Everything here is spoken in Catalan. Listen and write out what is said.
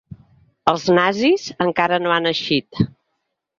Els nazis encara no han eixit.